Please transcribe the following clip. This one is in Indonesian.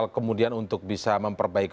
kemudian untuk bisa memperbaiki